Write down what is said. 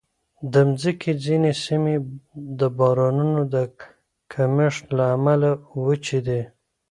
د مځکې ځینې سیمې د بارانونو د کمښت له امله وچې دي.